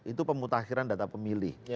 itu pemutakhiran data pemilih